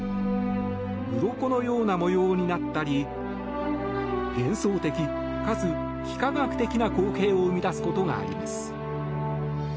うろこのような模様になったり幻想的かつ幾何学的な光景を生み出すことがあります。